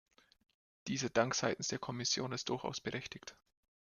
Dieser Dank seitens der Kommission ist durchaus berechtigt.